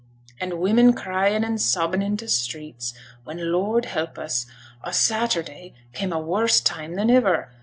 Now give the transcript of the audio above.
And women cryin' and sobbin' i' t' streets when, Lord help us! o' Saturday came a worse time than iver!